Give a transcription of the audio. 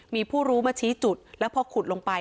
มีผู้รู้มาชี้จุดแล้วพอขุดลงไป